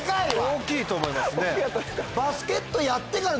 大きいと思いますね。